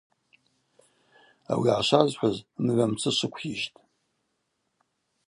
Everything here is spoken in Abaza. Ауи гӏашвазхӏвыз мгӏва мцы швыквйыжьтӏ.